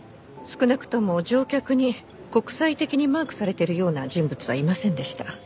少なくとも乗客に国際的にマークされてるような人物はいませんでした。